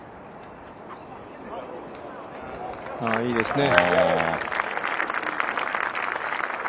いいですね。